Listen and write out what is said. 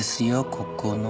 ここの。